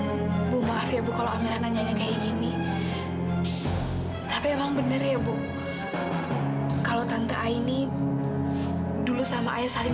ibu maaf ya bu kalau amera nanya kayak gini tapi emang bener ya bu kalau tante aini dulu sama ayah saling